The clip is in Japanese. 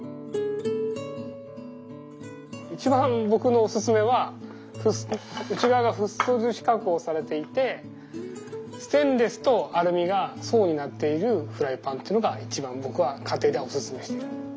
一番ぼくのおすすめは内側がフッ素樹脂加工されていてステンレスとアルミが層になっているフライパンっていうのが一番ぼくは家庭ではおすすめしてる。